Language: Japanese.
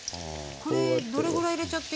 これどれぐらい入れちゃっていいんですか？